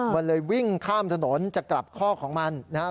มันเลยวิ่งข้ามถนนจะกลับข้อของมันนะครับ